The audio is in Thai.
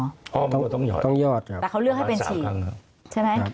ต้องหยอดครับประมาณ๓ครั้งครับแต่เขาเลือกให้เป็นฉีกใช่ไหม